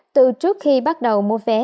từ trước khi bắt đầu mua vé